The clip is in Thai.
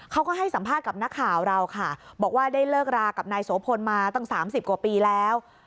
เขาก็ให้สัมภาษณ์กับนักข่าวเราค่ะบอกว่าได้เลิกรากับนายโสพลมาตั้ง๓๐กว่าปีแล้ว